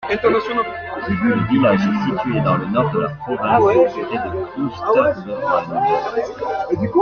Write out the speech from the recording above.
Le village est situé dans le nord de la province, près de Kloosterburen.